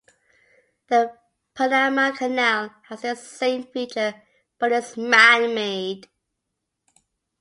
The Panama Canal has this same feature, but is man-made.